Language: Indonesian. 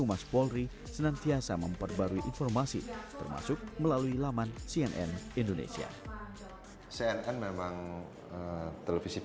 anda harus menjadi distinktif